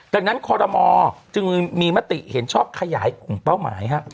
ดังนั้นคอรมอจึงมีมติเห็นชอบขยายกลุ่มเป้าหมาย